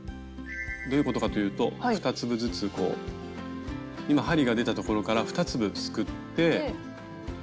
どういうことかというと２粒ずつこう今針が出たところから２粒すくって。